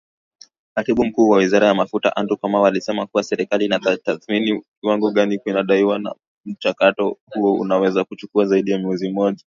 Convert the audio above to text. Katibu Mkuu wa Wizara ya Mafuta Andrew Kamau alisema kuwa serikali inatathmini kiwango gani kinadaiwa na mchakato huo unaweza kuchukua zaidi ya mwezi mmoja